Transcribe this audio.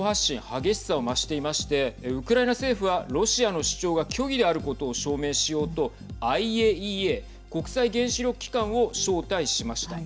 激しさを増していましてウクライナ政府はロシアの主張が虚偽であることを証明しようとＩＡＥＡ＝国際原子力機関を招待しました。